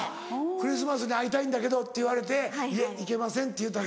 「クリスマスに会いたいんだけど」って言われて「いえ行けません」って言うたんだ。